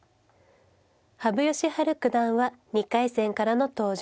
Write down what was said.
羽生善治九段は２回戦からの登場です。